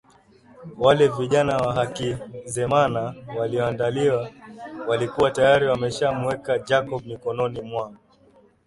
Wale vijana wa Hakizemana walioandaliwa walikuwa tayari wameshamueka Jacob mikononi mwao